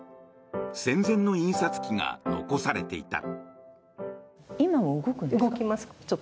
戦前の印刷機が残されていた。